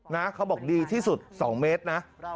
นะเขาบอกดีที่สุด๒เมตรนะ